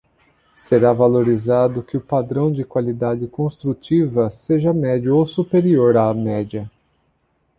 Será valorizado que o padrão de qualidade construtiva seja médio ou superior à média.